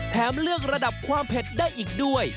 เลือกระดับความเผ็ดได้อีกด้วย